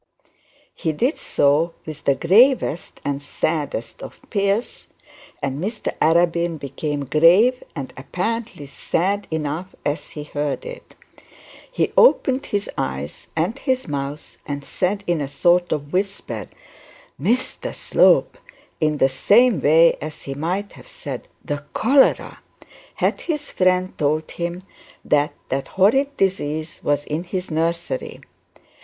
He did so with the gravest and saddest of fears, and Mr Arabin became grave and apparently sad enough as he heard it. He opened his eyes and his mouth and said in a sort of whisper, 'Mr Slope!' in the same way as he might have said, The Cholera!' had his friend told him that that horrid disease was in his nursery.